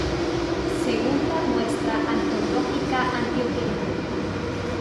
Segunda muestra antológica antioqueña.